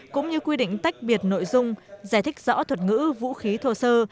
cũng như quy định tách biệt nội dung giải thích rõ thuật ngữ vũ khí thô sơ